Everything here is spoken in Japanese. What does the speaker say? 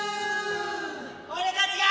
俺たちが！